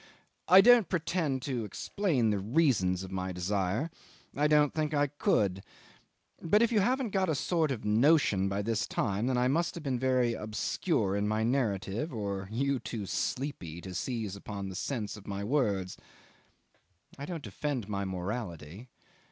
I don't pretend to explain the reasons of my desire I don't think I could; but if you haven't got a sort of notion by this time, then I must have been very obscure in my narrative, or you too sleepy to seize upon the sense of my words. I don't defend my morality.